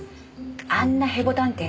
あんなヘボ探偵